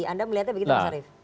anda melihatnya begitu mas arief